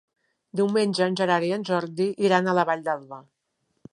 Diumenge en Gerard i en Jordi iran a la Vall d'Alba.